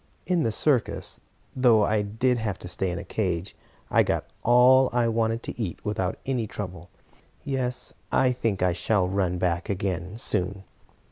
In the circus, though I did have to stay in a cage, I got all I wanted to eat without any trouble. Yes, I think I shall run back again, soon."